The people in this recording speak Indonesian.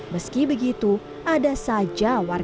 meski begitu ada saja warga